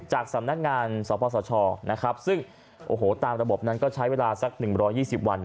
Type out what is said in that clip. จากสำนักงานสปสชซึ่งตามระบบนั้นก็ใช้เวลาสัก๑๒๐วัน